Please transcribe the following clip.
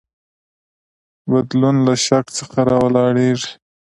بدلون له شک څخه راولاړیږي.